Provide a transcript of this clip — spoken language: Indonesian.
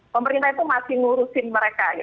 pemerintah itu masih ngurusin mereka